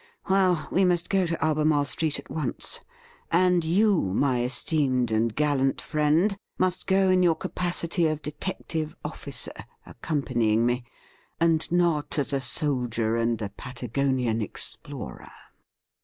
Well, we must go to Albemarle Street at once ; and you, my esteemed and gallant friend, must go in your capacity of detective officer, accompanying me, and not as a spldier and a Patagonian explorer.'